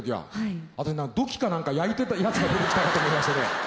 私土器かなんか焼いてたやつが出てきたかと思いましてね。